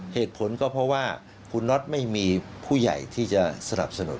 เหตุผลก็เพราะว่าคุณน็อตไม่มีผู้ใหญ่ที่จะสนับสนุน